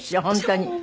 本当に。